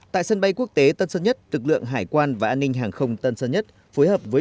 tại sân bay quốc tế tân sơn nhất lực lượng hải quan và an ninh hàng không tân sơn nhất phối hợp với